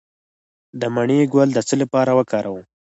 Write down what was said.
د مڼې ګل د څه لپاره وکاروم؟